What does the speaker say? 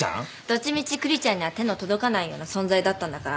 どっちみちクリちゃんには手の届かないような存在だったんだからあの人は。